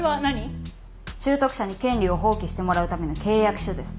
拾得者に権利を放棄してもらうための契約書です。